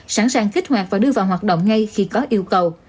sẵn sàng kích hoạt và đưa vào hoạt động ngay khi có yêu cầu